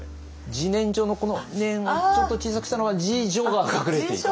「じねんじょ」のこの「ねん」をちょっと小さくしたのが「自助」が隠れている。